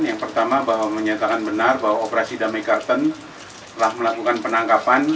yang pertama bahwa menyatakan benar bahwa operasi damai karten telah melakukan penangkapan